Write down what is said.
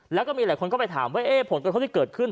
แล้วก็มีหลายคนก็ไปถามว่าผลกระทบที่เกิดขึ้น